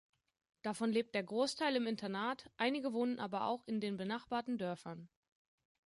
Davon lebt der Großteil im Internat, einige wohnen aber auch in den benachbarten Dörfern.